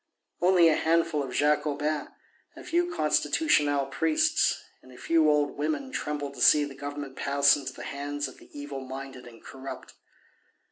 Only a handful of Jacobins, a few Constitutional priests and a few old women trembled to see the Government pass into the hands of the evil minded and corrupt.